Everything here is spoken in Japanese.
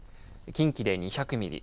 近畿で２００ミリ